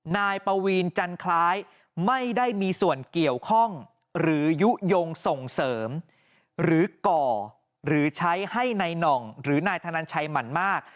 นายปวีนจันคล้ายไม่ได้มีส่วนเกี่ยวข้องหรือยุโยงส่งเสริมหรือก่อหรือใช้ให้นายหน่องหรือนายธนันชัยหมั่นมาก